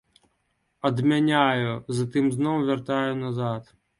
Адмяняю, затым зноў вяртаю назад.